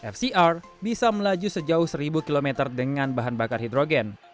fcr bisa melaju sejauh seribu km dengan bahan bakar hidrogen